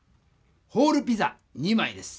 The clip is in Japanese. ホールピザ２枚です。